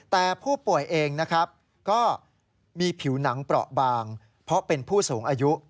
แต่ผู้ป่วยเองนะครับก็มีผิวหนังเปราะบางเพราะเป็นผู้สูงอายุ